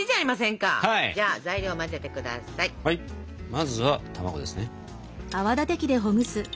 まずは卵ですね。